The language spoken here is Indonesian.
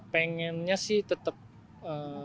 pengennya sih tetap ee